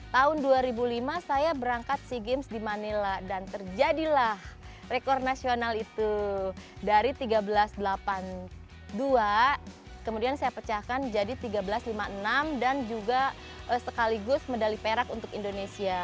tahun dua ribu lima saya berangkat sea games di manila dan terjadilah rekor nasional itu dari seribu tiga ratus delapan puluh dua kemudian saya pecahkan jadi seribu tiga ratus lima puluh enam dan juga sekaligus medali perak untuk indonesia